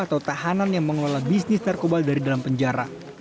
atau tahanan yang mengelola bisnis narkoba dari dalam penjara